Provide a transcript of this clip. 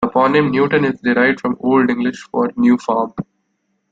The toponym "Newton" is derived from the Old English for "new farm".